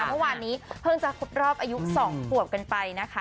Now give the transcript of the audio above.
เมื่อวานนี้เพิ่งจะครบรอบอายุ๒ขวบกันไปนะคะ